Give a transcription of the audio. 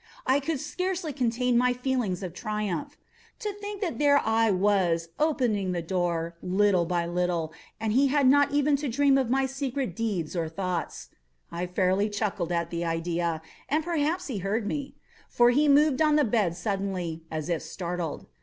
I could scarcely contain my feelings of triumph. To think that there I was, opening the door, little by little, and he not even to dream of my secret deeds or thoughts. I fairly chuckled at the idea; and perhaps he heard me; for he moved on the bed suddenly, as if startled.